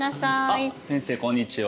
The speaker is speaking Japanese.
あっ先生こんにちは。